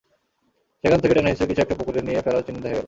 সেখান থেকে টেনেহিঁচড়ে কিছু একটা পুকুরে নিয়ে ফেলার চিহ্ন দেখা গেল।